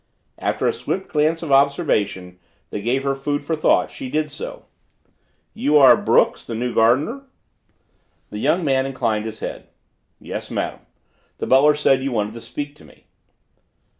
After a swift glance of observation that gave her food for thought she did so. "You are Brooks, the new gardener?" The young man inclined his head. "Yes, madam. The butler said you wanted to speak to me."